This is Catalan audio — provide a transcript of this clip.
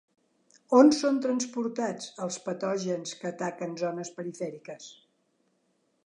On són transportats els patògens que ataquen zones perifèriques?